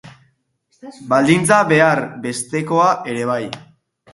Baldintza behar bestekoa ere bai.